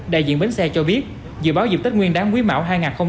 đại diện bến xe cho biết dự báo dịp tết nguyên đáng quý mạo hai nghìn hai mươi ba